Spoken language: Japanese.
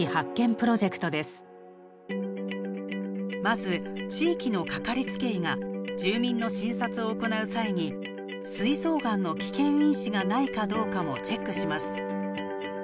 まず地域のかかりつけ医が住民の診察を行う際にすい臓がんの危険因子がないかどうかもチェックします。